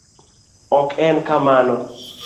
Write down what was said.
Ok en kamano.